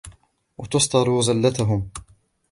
وَتَسْتُرَ زَلَّتَهُمْ